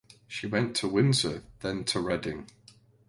She went to Windsor then to Reading.